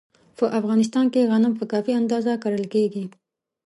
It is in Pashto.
په افغانستان کې غنم په کافي اندازه کرل کېږي.